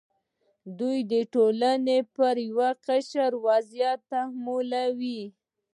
دوی د ټولنې پر یو قشر وضعیت تحمیلوي.